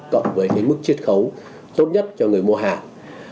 cộng với mức chiết khấu tốt nhất cho người mua hàng